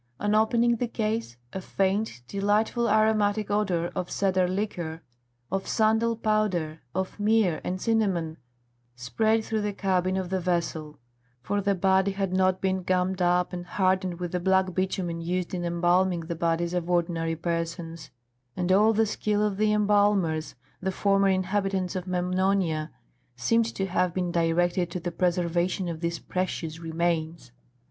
On opening the case, a faint, delightful, aromatic odour of cedar liquor, of sandal powder, of myrrh and cinnamon spread through the cabin of the vessel; for the body had not been gummed up and hardened with the black bitumen used in embalming the bodies of ordinary persons, and all the skill of the embalmers, the former inhabitants of Memnonia, seemed to have been directed to the preservation of these precious remains.